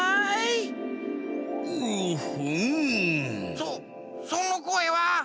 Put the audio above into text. そそのこえは。